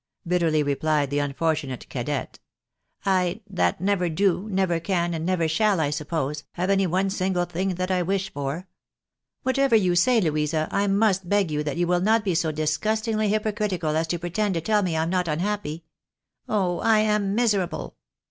" bitteh y rephed the unfortunate cadette —" I, that never do, never can, and never shall, I suppose, have any one single thing that I wish for ! Whatever you say, Louisa, I must beg that you will not be so dis THE BAKNABYS IN AJIERICA. gustiDgly hypocritical as to pretend to tell me I am not unhappy. Oh ! I am miserable